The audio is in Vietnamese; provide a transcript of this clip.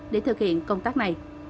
để thực hiện công tác này